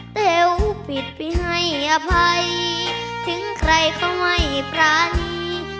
เต๋วปิดไปให้อภัยถึงใครก็ไม่ปรานี